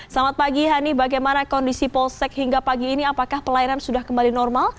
selamat pagi hani bagaimana kondisi polsek hingga pagi ini apakah pelayanan sudah kembali normal